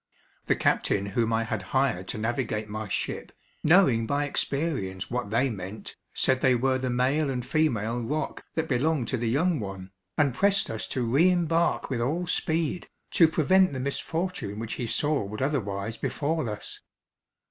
The captain whom I had hired to navigate my ship, knowing by experience what they meant, said they were the male and female roc that belonged to the young one, and pressed us to re embark with all speed, to prevent the misfortune which he saw would otherwise befall us.